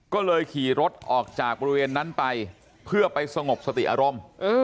ก็เลยขี่รถออกจากบริเวณนั้นไปเพื่อไปสงบสติอารมณ์